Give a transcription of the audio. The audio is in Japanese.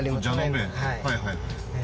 はいはい。